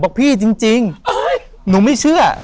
บอกพี่จริงหนูไม่เชื่อ